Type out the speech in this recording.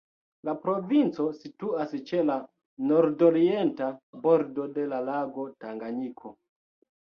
La provinco situas ĉe la nordorienta bordo de la lago Tanganjiko.